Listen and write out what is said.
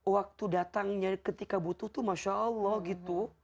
waktu datangnya ketika butuh tuh masya allah gitu